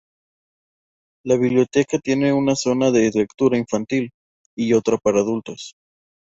La biblioteca tiene una zona de lectura infantil y otra para adultos.